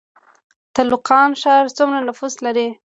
تالقان ښار څومره نفوس لري؟